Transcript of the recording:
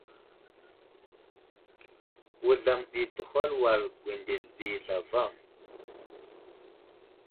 Wuzlam ɗi di təhwal wal gwendele ɗi zlavaŋ.